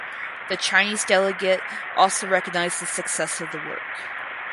The Chinese delegate also recognized the success of the work.